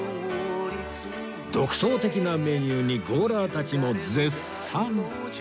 独創的なメニューにゴーラーたちも絶賛！